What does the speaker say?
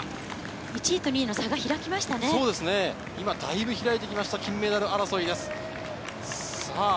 １位と２位の差が開きました金メダル争いです。